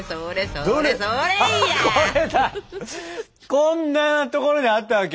こんなところにあったわけ？